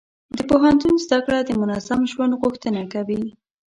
د پوهنتون زده کړه د منظم ژوند غوښتنه کوي.